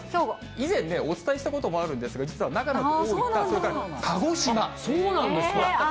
以前、お伝えしたこともあるんですが、実は長野、大分、そうなんですか。